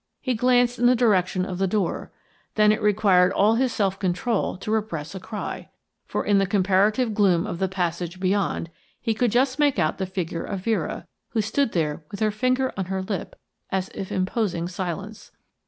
He glanced in the direction of the door; then it required all his self control to repress a cry, for in the comparative gloom of the passage beyond, he could just make out the figure of Vera, who stood there with her finger on her lip as if imposing silence.